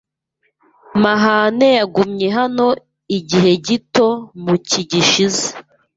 Mahane yagumye hano igihe gito mu cyi gishize.